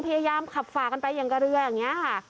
พยายามขับฝากันไปอย่างกับเรืออย่างนี้ค่ะ